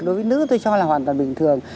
đối với nữ tôi cho là hoàn toàn bình thường